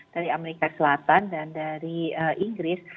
dari amerika selatan dan dari inggris